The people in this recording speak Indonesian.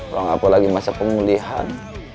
kalau ga ada lagi masa pemulihan